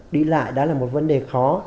đi lại đã là một vấn đề khó